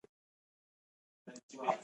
سیلابونه د افغانستان د شنو سیمو ښکلا ده.